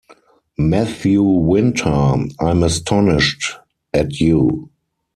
Matthew Winter, I’m astonished at you.